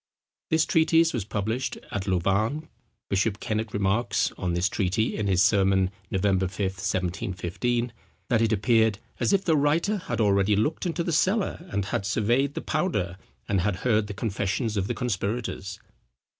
This treatise was published at Louvain. Bishop Kennet remarks on this treatise, in his Sermon, November 5th, 1715, that it appeared "as if the writer had already looked into the cellar and had surveyed the powder, and had heard the confessions of the conspirators."